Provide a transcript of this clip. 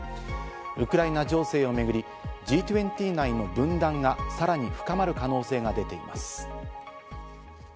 ウクライナ情勢をめぐり、Ｇ２０内の分断がさらに深まる可能性が出ています。